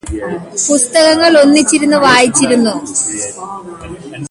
പുസ്തകങ്ങള് ഒന്നിച്ചിരുന്ന് വായിച്ചിരുന്നു